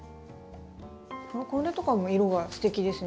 これとかも色がステキですね。